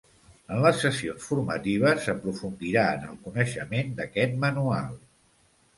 En les sessions formatives s'aprofundirà en el coneixement d'aquest manual.